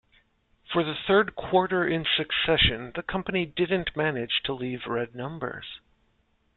For the third quarter in succession, the company didn't manage to leave red numbers.